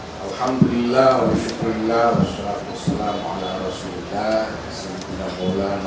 selamat pagi selamat malam